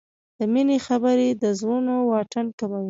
د مینې خبرې د زړونو واټن کموي.